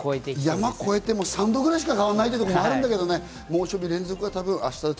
山を越えても３度くらいしか変わらないという部分があるけど、猛暑は明日で